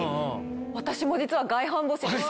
私も実は外反母趾。